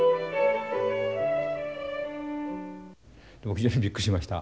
非常にびっくりしました。